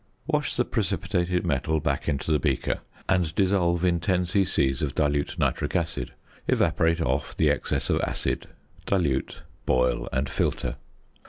Wash the precipitated metal back into the beaker, and dissolve in 10 c.c. of dilute nitric acid, evaporate off the excess of acid; dilute, boil, and filter.